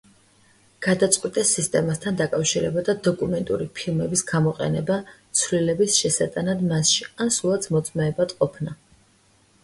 გადაწყვიტეს სისტემასთან დაკავშირება და დოკუმენტური ფილმების გამოყენება ცვლილების შესატანად მასში, ან სულაც მოწმეებად ყოფნა.